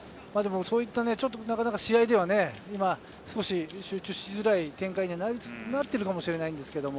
ちょっとなかなか、試合には少し集中しづらい展開になってるのかもしれないですけども。